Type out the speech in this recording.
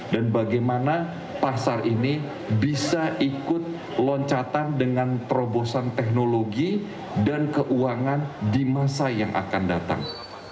dan bagaimana pasar ini bisa ikut loncatan dengan terobosan teknologi dan keuangan di masa yang akan datang